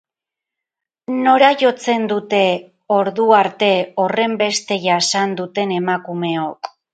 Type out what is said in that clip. Nora jotzen dute ordu arte horrenbeste jasan duten emakumeok?